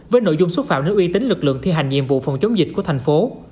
với nội dung xúc phạm đến uy tín lực lượng thi hành nhiệm vụ phòng chống dịch của thành phố